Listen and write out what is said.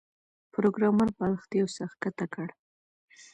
پروګرامر بالښت یو څه ښکته کړ